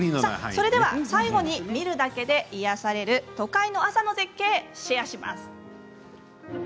最後に見るだけで癒やされる都会の朝の絶景をシェアします。